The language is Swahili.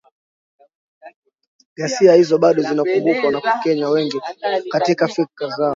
“Ghasia hizo bado zinakumbukwa na Wakenya wengi katika fikra zao.